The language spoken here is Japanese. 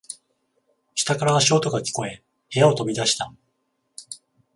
下から足音が聞こえ、部屋を飛び出した。